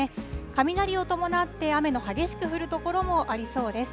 雷を伴って雨の激しく降る所もありそうです。